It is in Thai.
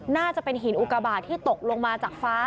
น่าจะเป็นหินอุกาบาทที่ตกลงมาจากฟ้า